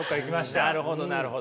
なるほどなるほど。